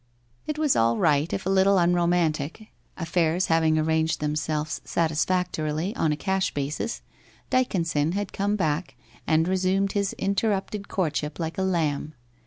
It was all right, if a little unromantic. Affairs having arranged themselves satis factorily, on a cash basis, Dyconson had come back and resumed his interrupted courtship like a lamb.